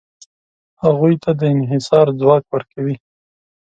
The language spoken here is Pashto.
هغوی ته د انحصار ځواک ورکوي.